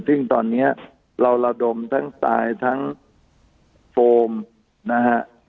ซึ่งตอนนี้เราระดมทั้งทรายทั้งโฟมนะฮะ